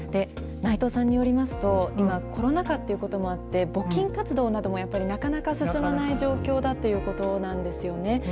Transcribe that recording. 内藤さんによりますと、今、コロナ禍ということもあって、募金活動などもやっぱりなかなか進まない状況だということなんですよね。